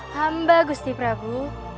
hamba gusti prabu